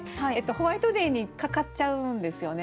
ホワイトデーにかかっちゃうんですよね。